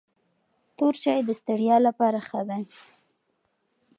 تور چای د ستړیا لپاره ښه دی.